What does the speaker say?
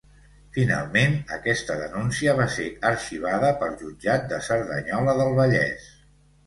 Finalment, aquesta denúncia va ser arxivada pel Jutjat de Cerdanyola del Vallès.